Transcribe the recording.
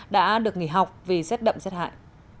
đã được nghỉ học vì rét đậm rét hại